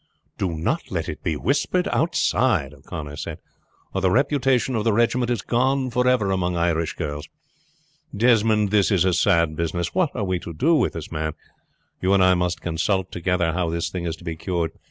"Do not let it be whispered outside," O'Connor said, "or the reputation of the regiment is gone forever among Irish girls. Desmond, this is a sad business. What are we to do with this man? You and I must consult together how this thing is to be cured."